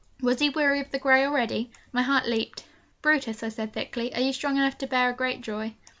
Was he weary of the grey already? My heart leaped. 'Brutus,' I said thickly, 'are you strong enough to bear a great joy?'